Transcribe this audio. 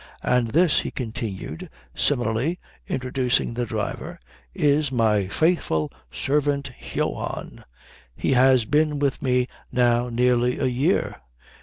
And this," he continued, similarly introducing the driver, "is my faithful servant Johann. He has been with me now nearly a year."